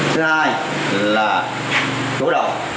thứ hai là chủ động